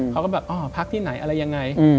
เขาก็แบบอ๋อพักที่ไหนอะไรยังไง